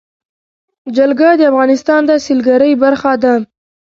جلګه د افغانستان د سیلګرۍ برخه ده.